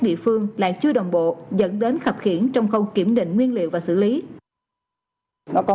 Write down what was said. địa phương lại chưa đồng bộ dẫn đến khập khiển trong khâu kiểm định nguyên liệu và xử lý nó có